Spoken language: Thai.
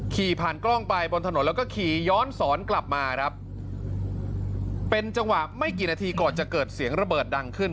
ขี่ผ่านกล้องไปบนถนนแล้วก็ขี่ย้อนสอนกลับมาครับเป็นจังหวะไม่กี่นาทีก่อนจะเกิดเสียงระเบิดดังขึ้น